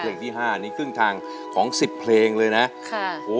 เพลงที่๕นี้กึ่งทางของ๑๐เพลงเลยนะ